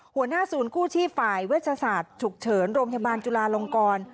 หัวหน้าศูนย์กู้ชีพฝ่ายเวชศาสตร์ฉุกเฉินโรงพยาบาลจุลาลงกร